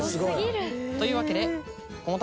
というわけで。